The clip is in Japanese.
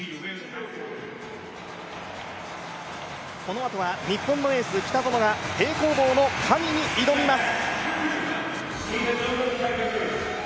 このあとは日本のエース北園が平行棒の神に挑みます。